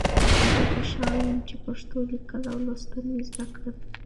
زه خوشحاله یم چې پښتو لیکل او لوستل مې زده کړل.